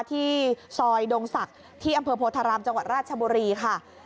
ที่ซอยดงศักดิ์ที่อำเภอโพธารามจังหวัดราชบุรีค่ะ